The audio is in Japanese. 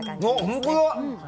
本当だ！